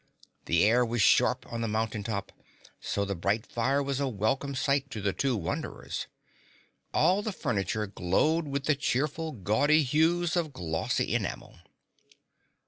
The air was sharp on the mountain top, so the bright fire was a welcome sight to the two wanderers. All the furniture glowed with the cheerful, gaudy hues of glossy enamel.